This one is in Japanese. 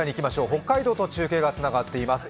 北海道と中継がつながっています。